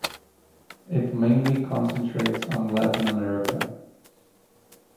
It mainly concentrates on Latin America.